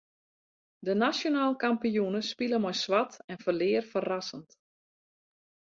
De nasjonaal kampioene spile mei swart en ferlear ferrassend.